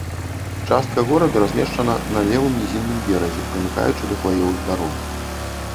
Частка горада размешчана на левым нізінным беразе, прымыкаючы да хваёвых бароў.